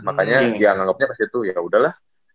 makanya ya anggapnya pasti tuh yaudah lah